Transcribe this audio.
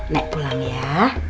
nek pulang ya